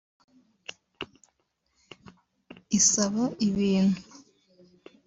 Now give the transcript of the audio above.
isaba ibintu